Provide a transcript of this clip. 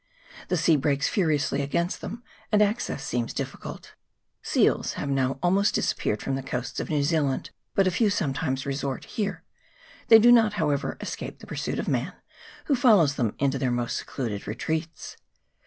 The sea breaks furiously against them, and access seems difficult. Seals have now almost disappeared from the coasts of New Zealand, but a few sometimes resort here : they do not, how ever, escape the pursuit of man, who follows them into their most secluded retreats.